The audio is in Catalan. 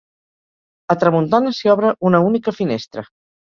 A tramuntana s'hi obre una única finestra.